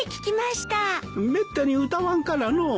めったに歌わんからのう。